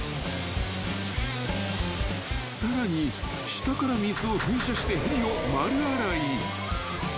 ［さらに下から水を噴射してヘリを丸洗い］